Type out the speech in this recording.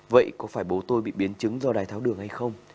vậy có phải bố tôi bị biến chứng do đái tháo đường hay không